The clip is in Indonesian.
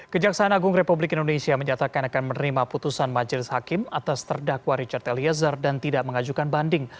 kejaksaan agung republik indonesia menyatakan akan menerima putusan majelis hakim atas terdakwa richard eliezer dan tidak mengajukan banding